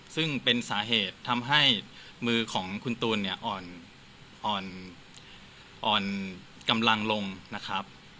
ซึ่งเป็นสาเหตุทำให้มือของคุณตูนเนี่ยอ่อนกำลังลงนะครับ